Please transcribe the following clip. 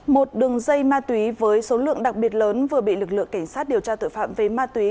một đường dây ma túy với số lượng đặc biệt lớn vừa bị lực lượng cảnh sát điều tra tội phạm về ma túy